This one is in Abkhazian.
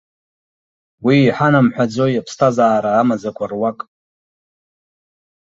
Уи иҳанамхәаӡои аԥсҭазаара амаӡақәа руак.